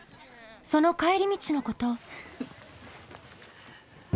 その帰り道のこと。